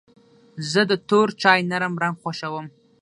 زه د تور چای نرم رنګ خوښوم.